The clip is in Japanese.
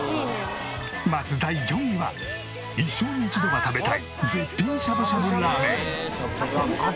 まず第４位は一生に一度は食べたい絶品しゃぶしゃぶラーメン。